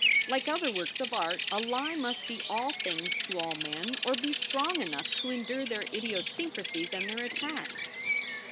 Like other works of art, a lie must be all things to all men or be strong enough to endure their idiosyncrasies and their attacks.